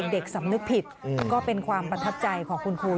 สำนึกผิดก็เป็นความประทับใจของคุณครู